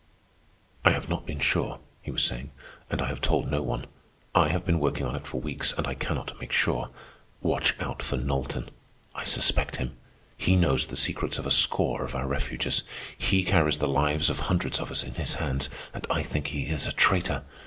"I have not been sure," he was saying, "and I have told no one. I have been working on it for weeks, and I cannot make sure. Watch out for Knowlton. I suspect him. He knows the secrets of a score of our refuges. He carries the lives of hundreds of us in his hands, and I think he is a traitor.